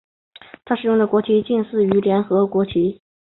它所使用的国旗近似于联合国旗。